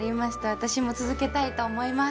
私も続けたいと思います。